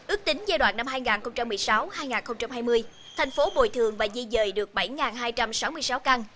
ước tính giai đoạn năm hai nghìn một mươi sáu hai nghìn hai mươi thành phố bồi thường và di dời được bảy hai trăm sáu mươi sáu căn